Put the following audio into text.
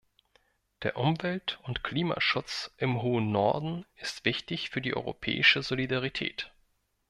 Der Umwelt- und Klimaschutz im hohen Norden ist wichtig für die europäische Solidarität.